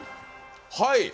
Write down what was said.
はい。